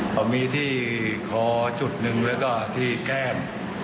เค้ามีที่ขอจุดบนแล้วก็ที่แก้ม